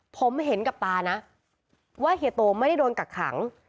ผมเห็นกับตานะว่าเฮียโตไม่ได้โดนกักขัง